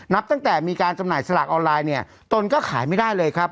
นับตั้งแต่มีการจำหน่ายสลากออนไลน์เนี่ยตนก็ขายไม่ได้เลยครับ